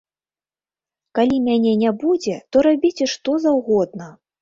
Калі мяне не будзе, то рабіце, што заўгодна.